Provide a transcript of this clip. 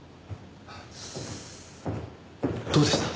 どうでした？